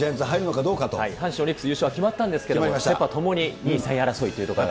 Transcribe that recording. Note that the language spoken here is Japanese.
阪神、オリックス優勝決まったんですけど、セ・パともに２位３位争いということで。